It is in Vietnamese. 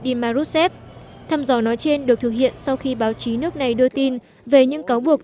di maruzsev thăm dò nói trên được thực hiện sau khi báo chí nước này đưa tin về những cáo buộc